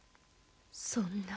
そんな。